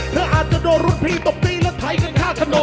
เธออาจจะโดนรุ่นพี่ตกตีและไถกระทะขนม